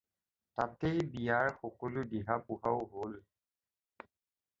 তাতেই বিয়াৰ সকলো দিহা-পোহাও হ'ল।